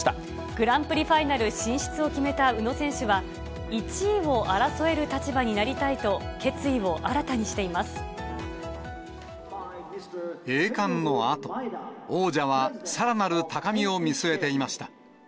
グランプリファイナル進出を決めた宇野選手は、１位を争える立場になりたいと、決意を新たに栄冠のあと、王者はさらなる高みを見据えていました。